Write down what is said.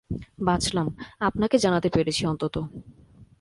বাঁচলাম, আপনাকে জানাতে পেরেছি অন্তত।